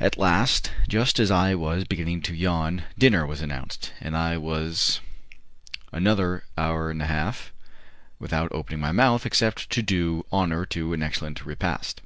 At last, just as I was beginning to yawn, dinner was announced, and I was another hour and a half without opening my mouth, except to do honour to an excellent repast.